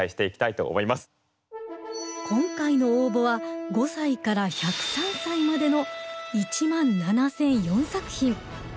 今回の応募は５歳から１０３歳までの１７，００４作品。